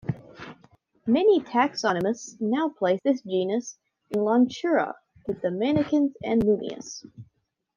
Many taxonomists now place this genus in "Lonchura" with the mannikins and munias.